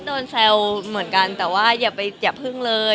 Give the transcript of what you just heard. โดนแซวเหมือนกันแต่ว่าอย่าพึ่งเลย